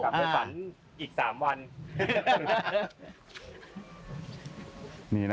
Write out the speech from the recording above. พระจำจะฝรั่งตอนอีก๓วัน